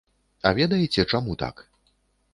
А ведаеце, чаму так?